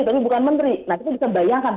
tapi bukan menteri nah kita bisa bayangkan